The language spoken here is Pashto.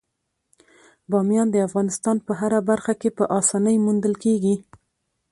بامیان د افغانستان په هره برخه کې په اسانۍ موندل کېږي.